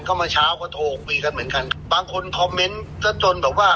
เมื่อเช้าก็โทรคุยกันเหมือนกันบางคนคอมเมนต์ซะจนแบบว่า